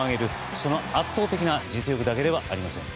その圧倒的な実力だけではありません。